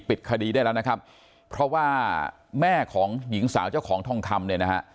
ปิดคดีได้แล้วนะครับเพราะว่าแม่ของหญิงสาวเจ้าของทองคำเนี่ยนะฮะ